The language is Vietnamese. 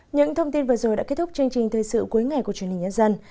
những thông tin vừa rồi đã kết thúc chương trình thời sự cuối ngày của chương trình nhân dân